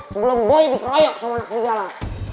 sebelum boy dikeroyok sama anak kedigala